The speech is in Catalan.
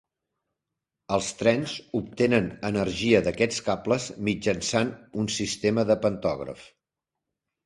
Els trens obtenen energia d'aquests cables mitjançant un sistema de pantògraf.